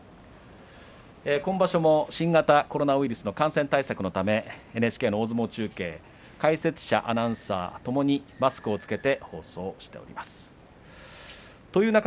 今場所も新型コロナウイルスの感染対策のためＮＨＫの大相撲中継解説者、アナウンサーともにマスクを着けて放送しています。